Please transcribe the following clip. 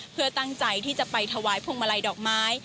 เพื่อตั้งใจที่จะไปถวายพวงมาลัยดอกไม้